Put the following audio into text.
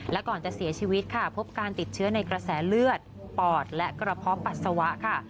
และก่อนจะเสียชีวิตค่ะพบการติดเชื้อในกระแสเลือดปอดและกระเพาะปัสสาวะค่ะ